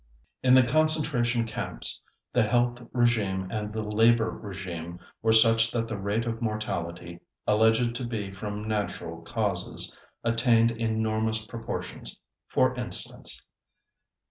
In the concentration camps, the health regime and the labor regime were such that the rate of mortality (alleged to be from natural causes) attained enormous proportions, for instance: 1.